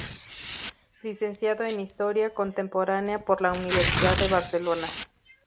Licenciado en Historia Contemporánea por la Universidad de Barcelona.